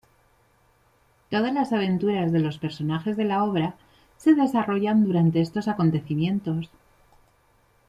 Todas las aventuras de los personajes de la obra, se desarrollan durante estos acontecimientos.